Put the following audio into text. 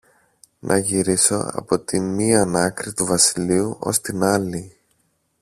να γυρίσω από τη μίαν άκρη του βασιλείου ως την άλλη